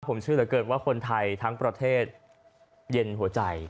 ผมเชื่อเหลือเกินว่าคนไทยทั้งประเทศเย็นหัวใจ